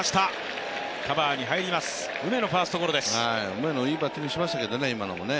梅野、いいバッティングしましたけどね、今のも。